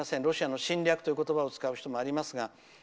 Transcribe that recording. ロシアの侵略という言葉を使う人もありますが。